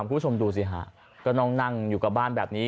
คุณผู้ชมดูสิฮะก็ต้องนั่งอยู่กับบ้านแบบนี้